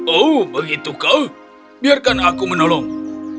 oh begitu kau biarkan aku menolongmu